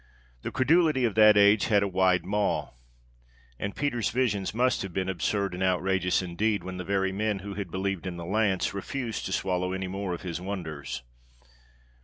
The credulity of that age had a wide maw, and Peter's visions must have been absurd and outrageous indeed, when the very men who had believed in the lance refused to swallow any more of his wonders.